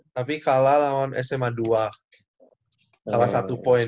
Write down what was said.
tapi kalah lawan sma dua salah satu poin